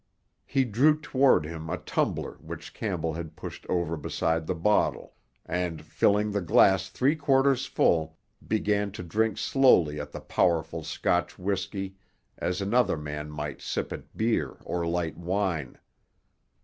He drew toward him a tumbler which Campbell had pushed over beside the bottle and, filling the glass three quarters full, began to drink slowly at the powerful Scotch whisky as another man might sip at beer or light wine.